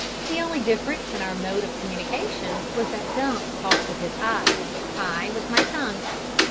The only difference in our mode of communication was that Dumps talked with his eyes, I with my tongue.